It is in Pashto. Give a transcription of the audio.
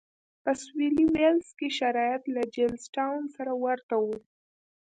په سوېلي ویلز کې شرایط له جېمز ټاون سره ورته و.